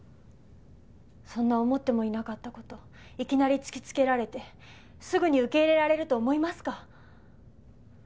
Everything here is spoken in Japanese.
そんな思ってもいなかった事いきなり突きつけられてすぐに受け入れられると思いますか？